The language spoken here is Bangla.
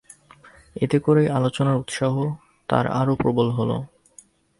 এতে করেই আলোচনার উৎসাহ তার আরো প্রবল হল।